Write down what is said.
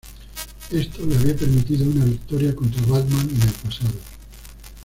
Esto le había permitido una victoria contra Batman en el pasado.